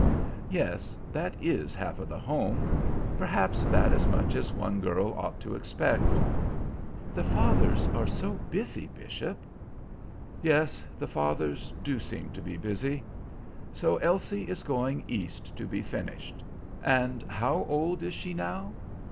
"Yes; that is half of the home. Perhaps that's as much as one girl ought to expect." "The fathers are so busy, Bishop." "Yes; the fathers do seem to be busy. So Elsie is going East to be finished? And how old is she now?